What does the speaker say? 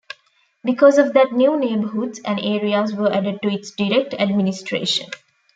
Because of that new neighborhoods and areas were added to its direct administration.